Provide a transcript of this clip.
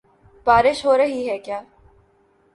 بارش ہو رہی ہے کیا؟